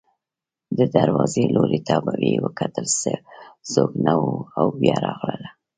د دروازې لوري ته یې وکتل، څوک نه و او بیا راغله.